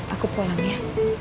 aku pulang ya